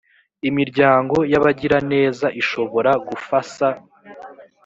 imiryango y’abagiraneza ishobora gufasa